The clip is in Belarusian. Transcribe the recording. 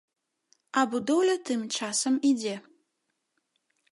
А будоўля тым часам ідзе.